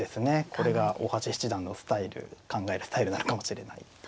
これが大橋七段のスタイル考えるスタイルなのかもしれないですね。